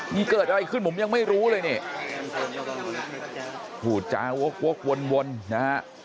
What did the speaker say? นี่เกิดอะไรขึ้นผมยังไม่รู้เลยเนี่ยผูจาโว๊คโว๊ควนนะฮะ